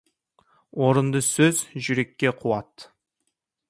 Орынды сөз жүрекке қуат.